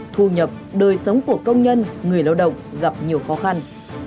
thu nhập đời sống của công nhân người lao động gặp nhiều khó khăn